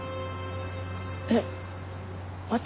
えっ私？